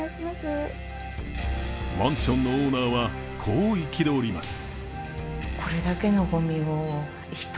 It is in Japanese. マンションのオーナーはこう、憤ります。